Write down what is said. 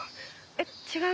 えっ違う？